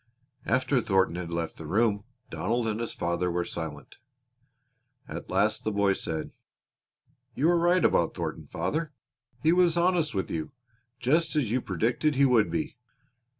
After Thornton had left the room Donald and his father were silent. At last the boy said: "You were right about Thornton, father. He was honest with you, just as you predicted he would be."